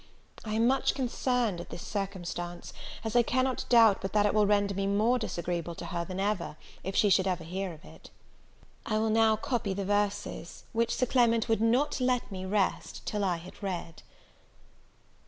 I am much concerned at this circumstance, as I cannot doubt but that it will render me more disagreeable to her than ever, if she should hear of it. I will now copy the verses, which Sir Clement would not let me rest till I had read.